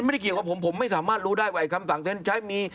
ไม่ได้เกี่ยวกับผมผมไม่สามารถรู้ได้ว่าคำสั่งเซ็นใช้มี